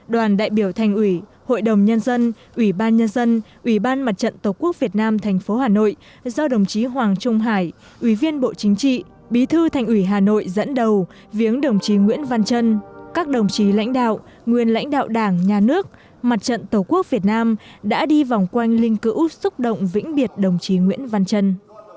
đoàn đại biểu thành ủy hội đồng nhân dân ủy ban nhân dân ủy ban mặt trận tổ quốc việt nam thành phố hà nội do đồng chí hoàng trung hải ủy viên bộ chính trị bí thư thành ủy hà nội dẫn đầu viếng đồng chí nguyễn văn trân các đồng chí lãnh đạo nguyên lãnh đạo đảng nhà nước mặt trận tổ quốc việt nam đã đi vòng quanh linh cửu xúc động vĩnh biệt đồng chí nguyễn văn trân